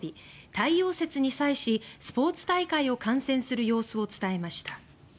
太陽節に際しスポーツ大会を観戦する様子を伝えました。